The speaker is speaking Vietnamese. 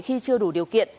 khi chưa đủ điều kiện